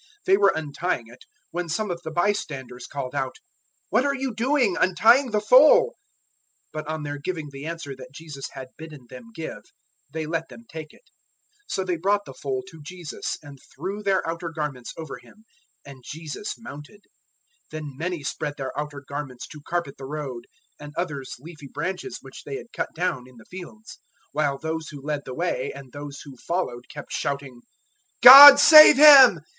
They were untying it, 011:005 when some of the bystanders called out, "What are you doing, untying the foal?" 011:006 But on their giving the answer that Jesus had bidden them give, they let them take it. 011:007 So they brought the foal to Jesus, and threw their outer garments over him; and Jesus mounted. 011:008 Then many spread their outer garments to carpet the road, and others leafy branches which they had cut down in the fields; 011:009 while those who led the way and those who followed kept shouting "God save Him!"